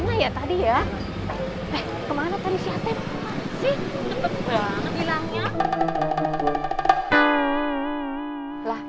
mana ya tadi ya eh kemana tadi siatet sih